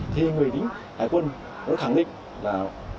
thì người lính hải quân nó khẳng định là